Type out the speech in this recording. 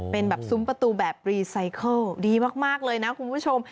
เป็นแบบซุ้มประตูแบบรีไซเคิลดีมากเลยนะคุณผู้ชม